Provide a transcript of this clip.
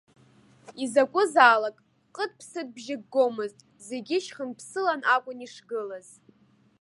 Изакәызаалак ҟыт-ԥсытбжьык гомызт, зегьы шьхынԥсылан акәын ишгылаз.